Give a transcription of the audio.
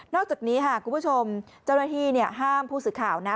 อกจากนี้ค่ะคุณผู้ชมเจ้าหน้าที่ห้ามผู้สื่อข่าวนะ